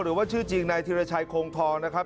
หรือว่าชื่อจริงนายธิรชัยโคงทองนะครับ